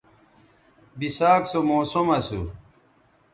بِساک سو موسم اسو